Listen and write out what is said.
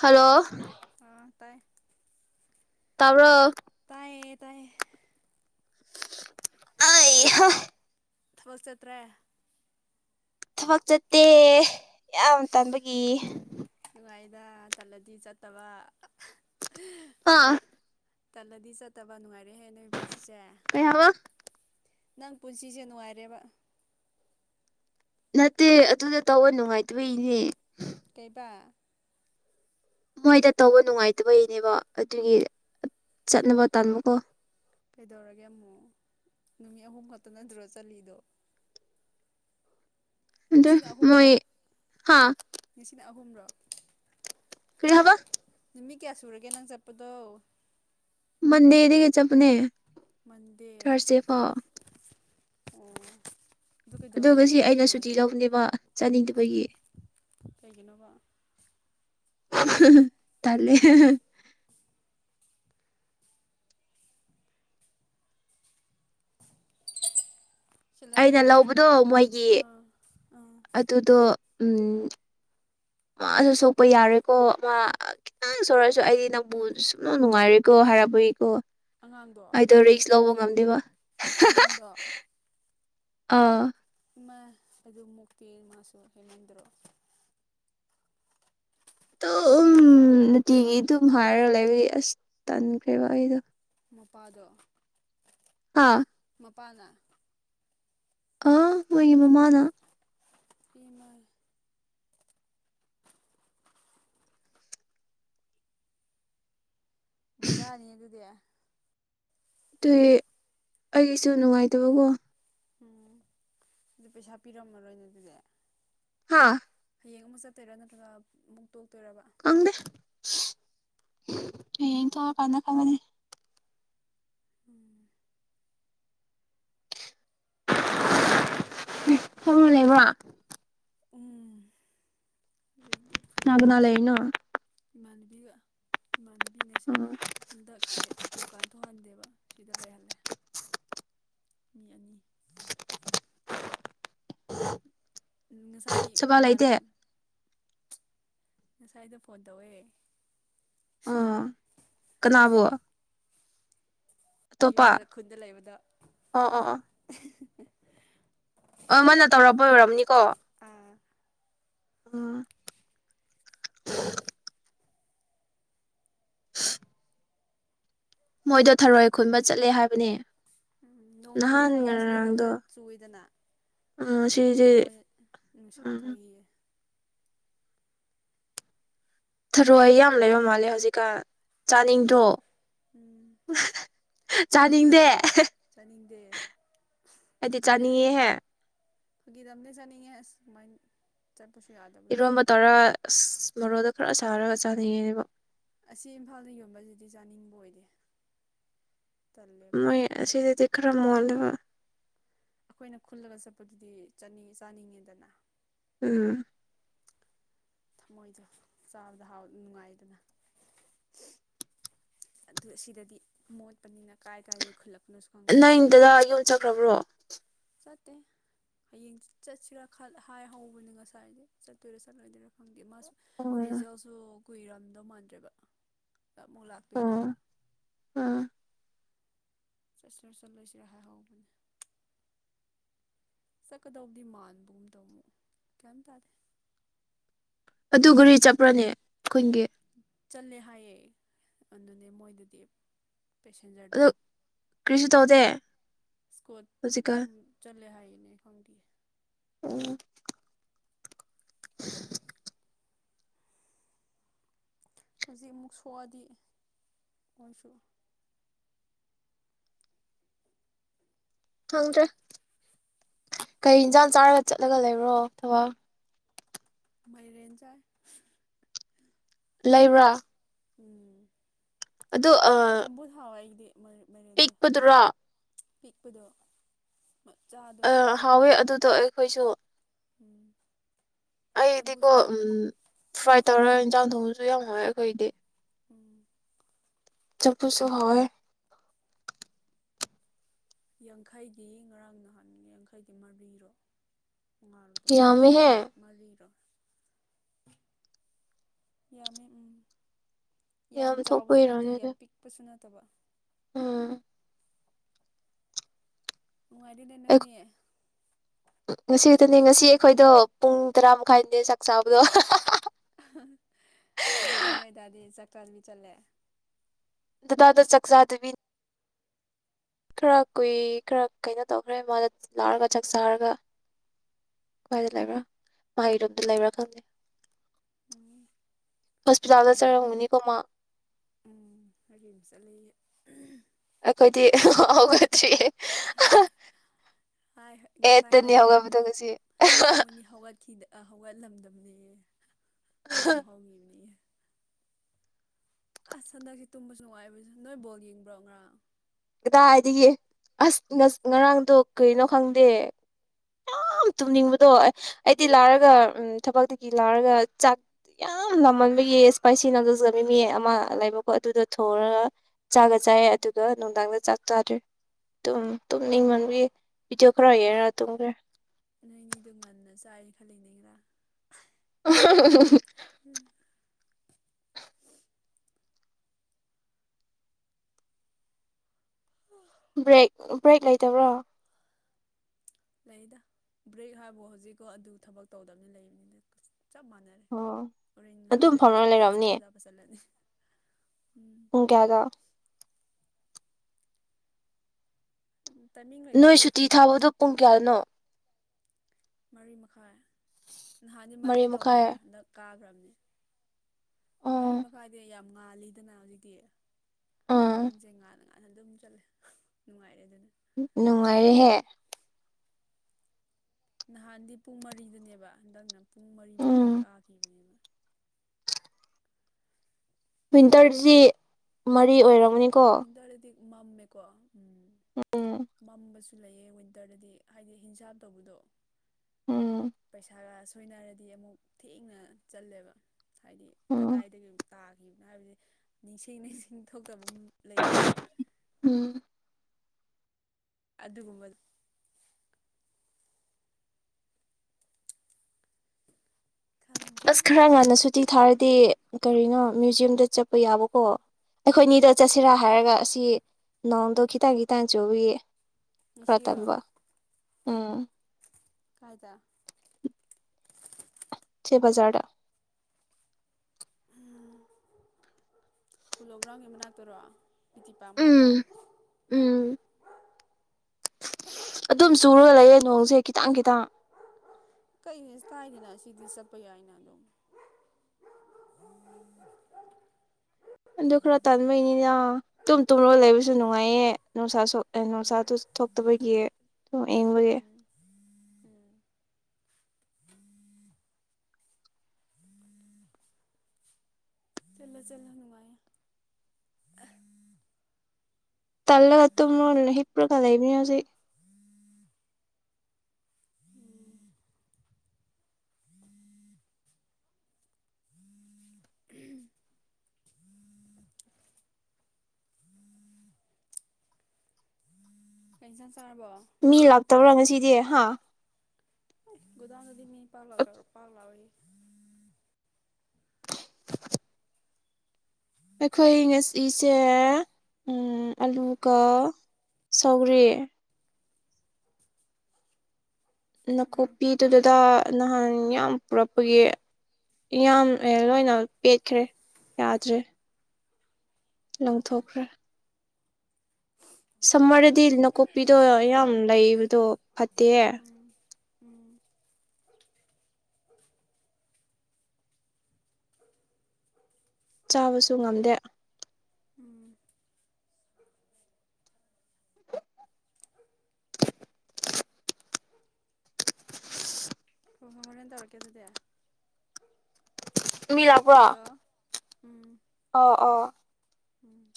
hello ꯑ ꯇꯥꯏ ꯇꯕ ꯇꯥꯏꯌꯦ ꯇꯥꯏꯌꯦ ꯑ ꯊ ꯆꯠꯇ꯭ꯔꯦ ꯊꯕꯛ ꯆꯠꯇꯦ ꯌꯥꯝ ꯇꯥꯟꯕꯒꯤ ꯗ ꯇꯜꯂꯗꯤ ꯆꯠꯇꯕ ꯑꯥ ꯇꯂꯗꯤꯁ ꯇꯋꯥꯅ ꯑꯩ ꯍꯦ ꯅꯣꯏ ꯄꯨꯁꯤꯁꯦ ꯀꯩ ꯍꯥꯏꯕ ꯅꯪ ꯄꯨꯟꯁꯤꯁꯦ ꯅꯨꯡꯉꯥꯏꯔꯦꯕ ꯅꯠꯇꯦ ꯑꯗꯨꯗ ꯇꯋ ꯅꯨꯡꯉꯥꯏꯇꯕ ꯏꯅꯦ ꯀꯩꯕꯥ ꯃꯣꯏꯗ ꯇꯧꯕ ꯅꯨꯡꯉꯥꯏꯇꯕꯒꯤꯅꯦꯕ ꯑꯗꯨꯒꯤ ꯆꯠꯅꯕ ꯇꯥꯟꯃꯨꯀꯣ ꯀꯩꯗꯧꯔꯒꯦ ꯑꯃꯃꯨꯛ ꯅꯨꯃꯤꯠ ꯑꯍꯨꯝ ꯈꯛꯇ ꯅꯠꯇ꯭ꯔꯣ ꯆꯠꯂꯤꯗꯣ ꯑꯗꯨ ꯅꯤꯡꯁꯤꯡ ꯑꯍꯨꯝꯔ ꯃꯣꯏ ꯍꯥ ꯅꯤꯡꯁꯤꯡꯅ ꯑꯍꯨꯝꯔ ꯀꯔꯤ ꯍꯥꯕ ꯅꯨꯃꯤ ꯀꯌꯥ ꯁꯨꯔꯒꯦ ꯅꯪ ꯆꯠꯄꯗꯣ ꯃꯟꯗꯗꯅꯦ ꯃꯟꯗꯔ ꯑꯣ ꯑꯗꯨ ꯑꯗꯨꯒ ꯀꯩꯗꯧꯔꯕ ꯁꯤ ꯅꯪ ꯑꯩꯅ ꯁꯨꯇꯤ ꯅꯨꯡꯉꯥꯏꯇꯦ ꯍꯥꯏꯗꯣ ꯂꯧꯧꯕꯅꯦꯕ ꯆꯥꯅꯤꯡꯗꯕꯒꯤ ꯀꯩꯒꯤꯅꯣꯕ ꯇꯂꯦ ꯁꯦꯂꯔꯤ ꯑꯩꯅ ꯂꯧꯕꯗꯣ ꯃꯣꯏꯒꯤ ꯑꯥ ꯑꯥ ꯑꯗꯨꯗꯣ ꯎꯝ ꯃꯥꯁꯨ ꯁꯣꯛꯄ ꯌꯥꯔꯦꯀꯣ ꯑꯃ ꯈꯤꯇꯪ ꯁꯣꯛꯛꯑꯁꯨ ꯑꯩꯗꯤ ꯅꯪꯕꯨ ꯁꯨꯝꯅ ꯅꯨꯡꯉꯥꯏꯔꯦꯀꯣ ꯍꯥꯏꯔꯛꯄꯒꯤꯀꯣ ꯍꯥꯏꯗ ꯔꯁ ꯂꯧꯕ ꯉꯝꯗ ꯋꯥ ꯅꯗ ꯑꯥ ꯃ ꯑꯗꯨ ꯃꯨꯛꯇꯤ ꯃꯥꯁꯨ ꯍꯦꯟꯃꯟꯗ꯭ꯔꯣ ꯑꯗꯨꯝ ꯅꯨꯡꯇꯤꯒꯤ ꯑꯗꯨꯝ ꯍꯥꯏꯔꯒ ꯂꯩꯕꯒꯤ ꯑꯁ ꯇꯟꯈ꯭ꯔꯦꯕ ꯑꯩꯗꯣ ꯃꯄꯥꯥꯗ ꯑꯥ ꯃꯄꯥꯅ ꯑꯥ ꯋꯥ ꯌ ꯃꯥꯟ ꯃꯜ ꯔꯥꯅꯤ ꯑꯗꯨ ꯀ ꯑꯗꯨꯗꯤ ꯑꯩꯒꯤꯁꯨ ꯅꯨꯡꯉꯥꯏꯇꯕꯀꯣ ꯎꯝ ꯑꯗꯨ ꯄꯩꯁꯥ ꯄꯤꯔꯝꯃꯔꯣꯏꯅꯦ ꯑꯗꯨꯗꯤ ꯍꯥꯥ ꯍꯌꯦꯡ ꯑꯃ ꯆꯠꯇꯣꯏꯔꯥ ꯅꯠꯇ꯭ꯔꯒ ꯑꯃꯨꯛ ꯇꯣꯛꯇꯣꯏꯔꯕ ꯈꯪꯗꯦ ꯍꯌꯦꯡ ꯆꯥꯔꯀꯥꯟꯗ ꯈꯪꯑꯅꯤ [inaudible] [unintelligible] ꯐꯝꯃ ꯂꯩꯕ꯭ꯔꯣ ꯎꯝ ꯂꯩꯇꯦ ꯀꯅꯥ ꯐ꯭ꯔꯤꯅꯦ ꯀꯅꯥ ꯂꯩꯔꯤꯅꯣ ꯏꯃꯥꯅꯕꯤꯒ ꯏꯃꯥꯟꯅꯕꯤ ꯉꯁ ꯎꯝ ꯍꯟꯗꯛꯁꯦ ꯗꯨꯀꯥꯟ ꯊꯣꯛꯍꯟꯗꯦꯕ ꯁꯤꯗ ꯂꯩꯍꯜꯂꯦ ꯃꯤ ꯑꯅꯤ ꯉꯁꯥꯏ ꯁꯕꯥ ꯂꯩꯇꯦ ꯏꯃꯥꯅꯕꯤꯅ ꯉꯁꯥꯏꯗꯣ ꯐꯣꯟ ꯇꯧꯑꯦ ꯑꯣ ꯀꯅꯥꯕꯨ ꯑꯇꯣꯞꯄ ꯌꯨꯝꯗ ꯈꯨꯟꯗ ꯂꯩꯕꯗ ꯑꯣ ꯑꯣ ꯑꯣ ꯑ ꯃꯥꯅ ꯇꯧꯔꯛꯄ ꯑꯣꯏꯔꯝꯅꯤꯀꯣ ꯑꯥ ꯑꯣ [unintelligible] ꯃꯣꯏꯗꯣ ꯊꯔꯣꯏ ꯈꯨꯟꯕ ꯆꯠꯂꯦ ꯍꯥꯏꯕꯅꯦ ꯎꯝ ꯅꯣꯡꯖꯨꯗꯤ ꯅꯍꯥꯟ ꯍꯥꯏꯌꯦ ꯁꯤꯗꯗꯤ ꯉꯔꯥꯡꯗꯣ ꯈꯔ ꯆꯨꯏꯗꯅ ꯎꯝ ꯁꯤꯗꯤ ꯃꯣꯏ ꯅꯨꯡꯁꯥ ꯎꯝ ꯊꯣꯛꯏꯌꯦ ꯊꯔꯣꯏ ꯌꯥꯝ ꯂꯩꯕ ꯃꯥꯜꯂꯦ ꯍꯧꯖꯤꯛꯀꯥꯟ ꯎꯝ ꯆꯥꯅꯤꯡꯗ꯭ꯔꯣ ꯎꯝ [unintelligible] ꯆꯥꯅꯤꯡꯗꯦ ꯆꯥꯅꯤꯡꯗꯦ ꯍꯥꯏꯗꯤ ꯆꯥꯅꯤꯡꯉꯦꯍꯦ ꯒꯤꯗꯝꯅꯦ ꯆꯅꯤꯡꯉꯦ ꯑꯁ ꯀꯃꯥꯏ ꯄꯁꯨ ꯌꯥꯗꯕꯗꯨꯕꯣ ꯏꯔꯣꯟꯕ ꯇꯧꯔ ꯑꯁ ꯃꯣꯔꯣꯛꯗꯣ ꯈꯔ ꯁꯥꯔꯒ ꯆꯥꯅꯤꯡꯌꯦꯅꯦꯕꯣ ꯑꯁꯤ ꯏꯝꯐꯥꯜꯗ ꯌꯣꯟꯕꯁꯤꯗꯤ ꯆꯥꯅꯤꯡꯕ ꯑꯣꯏꯗꯦ ꯇꯜꯂꯦꯕ ꯃꯣꯏ ꯑꯁꯤꯗꯗꯤ ꯀ꯭ꯔꯃ ꯃꯣꯟꯗꯕ ꯑꯩꯈꯣꯏꯅ ꯈꯨꯜꯂꯒ ꯆꯠꯄꯗꯨꯗꯤ ꯆꯠꯅꯤ ꯆꯥꯅꯤꯡꯉꯦꯗꯅ ꯎꯝ ꯊꯃꯣꯏꯗꯣ ꯆꯥꯕꯗ ꯍꯥꯎꯗ ꯅꯨꯡꯉꯥꯏꯗꯅ ꯑꯗꯨ ꯁꯤꯗꯗꯤ ꯃꯣꯠꯄꯅꯤꯅ ꯀꯥꯏ ꯀꯥꯏꯗꯒꯤ ꯈꯨꯜꯂꯛꯄ ꯅꯪ ꯏꯟꯗꯗ ꯆꯠꯈ꯭ꯔꯕ꯭ꯔꯣ ꯆꯠꯇꯦ ꯍꯌꯦꯡ ꯆꯠꯁꯤꯔꯥ ꯍꯥꯏ ꯍꯧꯕꯅꯦ ꯉꯁꯥꯏꯗꯤ ꯆꯠꯇꯣꯏꯔꯥ ꯆꯠꯂꯣꯏꯗꯣꯏꯔꯥ ꯈꯪꯗꯦ ꯃꯥꯁꯨ ꯑꯣ ꯔꯤꯖꯜꯁꯨ ꯀꯨꯏꯔꯝꯗꯧ ꯃꯥꯟꯗ꯭ꯔꯦꯕ ꯁꯤꯗ ꯑꯃꯨꯛ ꯑꯣ ꯂꯥꯥꯛꯇꯣꯏꯅꯦꯕ ꯑꯣ [unintelligible] ꯆꯠꯀꯗꯧꯗꯤ ꯃꯥꯟꯕꯕꯨ ꯑꯃꯗꯧꯃꯨꯛ ꯀꯩꯝ ꯇꯥꯔꯦ ꯑꯗꯨ ꯒꯥꯔꯤ ꯆꯠꯄ꯭ꯔꯅꯦ ꯑꯩꯈꯣꯏꯒꯤ ꯆꯜꯂꯦ ꯍꯥꯏꯌꯦ ꯑꯗꯨꯅꯦ ꯃꯣꯏꯗꯗꯤ ꯄꯦꯁꯦꯟꯖꯔꯗꯣ ꯑꯗꯨ ꯀꯔꯤꯁꯨ ꯇꯧꯗꯦ ꯏꯁꯀꯣꯠ ꯍꯧꯖꯤꯛꯀꯥꯟ ꯑꯗꯨꯝ ꯆꯠꯂꯦ ꯍꯥꯏ ꯀꯅꯦ ꯀꯗ ꯎꯝ ꯍꯧꯖꯤꯛ ꯑꯃꯨꯛ ꯁꯣꯛꯑꯗꯤ ꯑꯣꯏꯣꯏꯁꯨ ꯈꯪꯗ꯭ꯔꯦ ꯀꯩ ꯏꯟꯁꯥꯡ ꯆꯥꯔꯒ ꯆꯠꯂꯒ ꯂꯩꯕ꯭ꯔꯣ ꯊꯕꯛ ꯃꯥꯏꯔꯦꯟꯖꯥꯏ ꯂꯩꯕ꯭ꯔꯥ ꯎꯝ ꯑꯗꯨ ꯑ ꯆꯝꯕꯨ ꯍꯥꯋꯥ ꯏꯗꯤ ꯃ ꯃꯔꯤꯗ ꯄꯤꯛꯄꯗꯨꯔꯣ ꯄꯤꯛꯄꯗ ꯑ ꯍꯥꯎꯋꯦ ꯑꯗꯨꯗꯣ ꯑꯩꯈꯣꯏꯁꯨ ꯎꯝ ꯑꯩꯗꯤꯀꯣ ꯆꯝꯐꯨꯠꯁꯨ ꯍꯥꯎꯕꯅꯦ ꯐ꯭ꯔꯥꯏ ꯇꯧꯔꯒ ꯏꯟꯁꯥꯡ ꯊꯣꯡꯁꯤ ꯁꯨ ꯃꯦ ꯀꯗꯤ ꯎꯝ ꯆꯄꯁꯨ ꯍ ꯌꯥꯡꯈꯩꯒꯤ ꯉꯔꯥꯡ ꯅꯍꯥꯟ ꯌꯥꯡꯈꯩꯒꯤ ꯃꯔꯤꯔꯣ ꯉꯉꯥꯜꯔꯨꯗꯣ ꯌꯥꯝꯃꯦꯍꯦ ꯃꯔꯤꯔꯣ ꯌꯥꯝꯃꯤ ꯎꯝ ꯌꯥꯝ ꯆꯥꯎꯕꯁꯨ ꯅꯠꯇꯦ ꯌꯥꯝ ꯄꯤꯛꯄꯁꯨ ꯅꯠꯇꯦ ꯇꯕ ꯎꯝ ꯅꯨꯡꯉꯥꯏꯇꯣꯏꯅꯦ ꯅꯣꯏꯅꯦ ꯑꯗꯨꯅꯦ ꯉꯁꯤ ꯑꯩꯈꯣꯏꯗꯣ ꯄꯨꯡ ꯇꯔꯥ ꯃꯈꯥꯏꯅꯦ ꯆꯥꯛ ꯆꯥꯕꯗꯣ ꯑꯗꯨꯗꯤ ꯅꯣꯏꯗꯥꯗꯤ ꯆꯥꯛ ꯆꯥꯕꯤ ꯆꯠꯂꯦ ꯗꯗꯥꯗ ꯆꯥꯛꯆꯥꯗꯕꯤ ꯈꯔ ꯀꯨꯏ ꯈꯔ ꯀꯩꯅꯣ ꯇꯧꯈ꯭ꯔꯦ ꯃꯥꯅ ꯂꯥꯛꯑꯒ ꯆꯥꯛ ꯆꯥꯔꯒ ꯀꯏꯗ ꯂꯩꯕ꯭ꯔꯥ ꯃꯍꯩꯔꯣꯝꯗ ꯂꯩꯕ꯭ꯔꯥ ꯈꯪꯗꯦ ꯎꯝ ꯍꯣꯁꯄꯤꯇꯥꯜꯗ ꯆꯔꯝꯒꯨꯅꯤꯀꯣ ꯃꯥ ꯎꯝ ꯔꯤꯝꯁ ꯆꯠꯂꯦꯌꯦ ꯑꯈꯣꯏꯗꯤ ꯍꯒꯣꯏꯗ꯭ꯔꯤ ꯍꯥꯏ ꯉꯁꯥꯏ ꯑꯦꯇꯅꯤ ꯍꯥꯏꯌꯦ ꯍꯧꯒꯕꯗꯁꯤ ꯃꯣꯏꯅꯤ ꯍꯧꯒꯠꯈꯤꯗ ꯍꯧꯒꯠꯂꯝꯗꯕꯅꯦꯌꯦ ꯇꯨꯝ ꯍꯥꯎꯤꯕꯅꯦ ꯑꯁ ꯍꯟꯗꯛꯁꯦ ꯇꯨꯝꯕꯁꯨ ꯅꯨꯡꯉꯥꯏꯕꯁꯦ ꯅꯣꯏ ꯕꯣꯜ ꯌꯦꯡꯕ꯭ꯔꯣ ꯉꯔꯥꯡ ꯏꯗꯥ ꯍꯥꯏꯗꯤꯒꯤ ꯑꯁ ꯉꯔꯥꯡꯗꯣ ꯀꯩꯅꯣ ꯈꯪꯗꯦ ꯌꯥꯝ ꯇꯨꯝꯅꯤꯡꯕꯗꯣ ꯑꯩꯗꯤ ꯂꯥꯔꯒ ꯎ ꯊꯕꯛꯇꯒꯤ ꯂꯥꯔꯒ ꯆꯥꯛ ꯌꯥꯝ ꯂꯥꯝꯃꯟꯕꯒꯤ ꯏꯁꯄꯥꯏꯁꯤ ꯅꯥꯖꯖꯒ ꯃꯤ ꯃꯤ ꯑꯃ ꯂꯩꯕꯀꯣ ꯑꯗꯨꯗꯣ ꯊꯣꯡꯔꯒ ꯆꯥꯒ ꯆꯥꯏꯌꯦ ꯑꯗꯨꯒ ꯅꯨꯡꯗꯥꯡꯗ ꯆꯥꯛ ꯆꯥꯗ꯭ꯔꯦ ꯑꯗꯨꯝ ꯇꯨꯝꯅꯤꯡ ꯃꯟꯕꯤ ꯎꯝ ꯚꯗꯤꯑꯣ ꯈꯔ ꯅꯣꯏ ꯌꯦꯔ ꯇꯝꯒꯦ ꯈꯂꯤꯅꯦꯒ [unintelligible] ꯎ ꯕ꯭ꯔꯦꯛ ꯕ꯭ꯔꯦꯛ ꯂꯩꯇꯕ꯭ꯔꯣ ꯂꯩꯗ ꯕ꯭ꯔꯦꯛ ꯍꯥꯏꯕ ꯍꯧꯖꯤꯛꯀꯣ ꯑꯗꯨ ꯊꯕꯛ ꯇꯧꯗꯕꯅꯤ ꯂꯩꯕꯅꯤꯅ ꯆꯞ ꯃꯥꯟꯅꯔꯦ ꯑꯣ ꯑꯗꯨꯝ ꯑꯣꯣꯔꯦꯟꯍꯜꯂꯔꯗꯤ ꯐꯝꯔꯒ ꯂꯩꯔꯝꯅꯤ ꯑꯆꯥꯄꯣꯖꯥꯕ ꯆꯠꯂꯅꯤ ꯎꯝ ꯎ ꯀꯌꯥꯒ ꯇꯥꯏꯃꯤꯡ ꯅꯣꯏ ꯂꯩꯇꯦꯗ ꯁꯨꯇꯤ ꯊꯥꯕꯗꯣ ꯄꯨꯡ ꯀꯌꯥꯗꯅꯣ ꯃꯔꯤ ꯃꯈꯥꯏ ꯅꯍꯥꯟꯗꯤ ꯃꯔꯤ ꯇꯧꯕꯅꯦ ꯍꯟꯗꯛ ꯀꯥꯈ꯭ꯔꯕꯅꯤ ꯃꯔꯤ ꯑꯣ ꯃꯈꯥꯏꯗꯤ ꯌꯥꯝ ꯉꯥꯜꯂꯤꯗꯅ ꯍꯧꯖꯤꯛꯇꯤ ꯑꯥ ꯌꯨꯝꯁꯦꯒꯥꯗꯉ ꯑꯗꯨ ꯑꯗꯨꯝ ꯆꯠꯂꯦ ꯅꯨꯡꯉꯥꯏꯔꯦ ꯑꯗꯨꯅ ꯅꯨꯡꯉꯥꯏꯔꯦꯍꯦ ꯅꯍꯥꯟꯗꯤ ꯄꯨꯡ ꯃꯔꯤꯗꯅꯦꯕ ꯍꯟꯗꯛꯅ ꯄꯨꯡ ꯃꯔꯤ ꯃꯈꯥꯏ ꯎꯝ ꯀꯥꯈꯤꯕꯅꯦꯕ ꯋꯤꯟꯇꯔꯁꯤ ꯃꯔꯤ ꯑꯣꯏꯝꯔꯕꯅꯤ ꯃꯤ ꯑꯗꯨꯗꯤ ꯃꯝꯃꯦꯀꯣ ꯎꯝ ꯎꯝ ꯃꯝꯕꯁꯨ ꯁꯨ ꯂꯩꯑ ꯋꯤꯟꯇꯔꯗꯗꯤ ꯍꯥꯏꯗꯤ ꯍꯤꯟꯖꯥꯞ ꯇꯧꯕꯗꯣ ꯎꯝ ꯄꯩꯁꯥꯒ ꯁꯣꯏꯅꯔꯗꯤ ꯑꯃꯨꯛ ꯊꯦꯡꯅ ꯆꯜꯂꯦꯕ ꯍꯥꯏꯗꯤ ꯎꯝ ꯀꯗꯥꯏꯗꯒꯤ ꯇꯥꯈꯤꯕꯅꯣ ꯍꯥꯏꯕꯁ ꯅꯤꯡꯁꯤꯡ ꯅꯤꯡꯁꯤꯡ ꯊꯣꯛꯇꯕ ꯂꯩꯗꯅ ꯎꯝ ꯑꯗꯨꯒꯨꯝꯕꯗꯨ ꯈꯪꯗ꯭ꯔꯦ ꯑꯁ ꯈꯔ ꯉꯥꯟꯅꯁꯨꯇꯤ ꯊꯥꯔꯗꯤ ꯀꯔꯤꯅꯣ ꯃ꯭ꯌꯨꯖ꯭ꯌꯝꯗ ꯆꯠꯄ ꯌꯥꯕꯀꯣ ꯑꯩꯈꯣꯏꯅꯤꯗ ꯆꯠꯁꯤꯔꯥ ꯍꯥꯏꯔꯒ ꯑꯁꯤ ꯅꯣꯡꯗꯣ ꯈꯤꯇꯪ ꯈꯤꯇꯪ ꯆꯨꯏꯌꯦ ꯃꯤꯁꯤꯔꯣ ꯎ ꯀꯥꯏꯗ ꯁꯦꯕꯖꯥꯔ ꯎꯝ ꯄꯨꯂꯣ ꯒ꯭ꯔꯥꯎꯟꯒꯤ ꯃꯅꯥꯛꯇꯔꯣ ꯄꯗꯤ ꯄ ꯎꯝ ꯑꯃꯨꯅꯥꯇꯥ ꯎꯝ ꯑꯗꯨꯝ ꯆꯨꯔꯒ ꯂꯩꯌꯦꯦ ꯅꯣꯡꯁꯦ ꯈꯤꯇꯪ ꯈꯤꯇꯪ ꯀꯩ ꯀꯥꯏꯗꯅ ꯁꯤꯗꯤ ꯆꯠꯄ ꯌꯥꯏꯅ ꯑꯗꯨꯝ ꯗꯨ ꯈꯔ ꯇ ꯑꯗꯨ ꯃꯅꯤꯅ ꯇ ꯇꯨꯝꯂꯣ ꯂꯩꯕꯁꯨ ꯅꯨꯡꯉꯥꯏꯌꯦ ꯅꯨꯡꯁꯥ ꯎꯝ ꯅꯨꯡꯁꯥꯗꯨ ꯊꯣꯛꯇꯕꯒꯤ ꯌꯦꯡꯕꯒꯤ ꯎꯝ ꯎꯝ ꯆꯤꯜꯂ ꯆꯦꯜꯥ ꯅꯨꯡꯉꯥꯏ ꯇꯜꯂ ꯀꯠꯇꯣ ꯍꯄ꯭ꯔꯣ ꯀꯗ ꯂꯩꯕꯅꯤ ꯍꯧꯖꯤꯦ ꯎꯝ ꯄꯩꯁꯥ ꯃꯤ ꯂꯥꯛꯇꯕ꯭ꯔꯥ ꯉꯁꯤꯗꯤ ꯍꯥ ꯒꯗꯥꯝꯒꯗꯤ ꯃꯤ ꯄꯥꯜꯂ ꯄꯥ ꯂꯑꯣꯏ ꯑꯩꯈꯣꯏ ꯉꯁꯤꯁꯦ ꯑꯂꯨꯒ ꯁꯧꯔꯤ ꯅꯥꯀꯨꯞꯄꯤꯗꯨꯗꯨꯗ ꯅꯍꯥꯟ ꯏꯌꯥꯝ ꯄꯨꯔꯛꯄꯒꯤ ꯏ ꯂꯣꯏꯅ ꯄꯦꯠꯈ꯭ꯔꯦ ꯌꯥꯗ꯭ꯔꯦ ꯂꯪꯊꯣꯛꯈ꯭ꯔꯦ ꯁꯔꯗꯤ ꯎꯝ ꯅꯀꯨꯞꯄꯤꯗ ꯌꯥꯝ ꯎ ꯂꯩꯏ ꯑꯗꯨꯣ ꯐꯠꯇꯦ ꯎꯝ ꯎꯝ [inaudible] ꯆꯥꯕꯁꯨ ꯉꯝꯗꯦ ꯎꯝ ꯍꯣꯏ ꯍꯣꯏ ꯍꯣꯔꯦꯟ ꯇꯧꯔꯛꯀꯦ ꯑꯗꯨꯗꯤ ꯃꯤꯂꯥ ꯄꯨꯣ ꯍꯜꯂꯣ ꯎꯝ ꯑꯣ ꯑꯣ ꯎꯝ